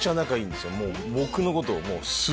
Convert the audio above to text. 僕のことを。